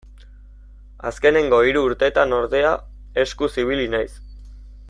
Azkenengo hiru urtetan, ordea, eskuz ibili naiz.